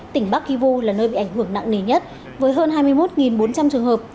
tỉnh bắc kivu là nơi bị ảnh hưởng nặng nề nhất với hơn hai mươi một bốn trăm linh trường hợp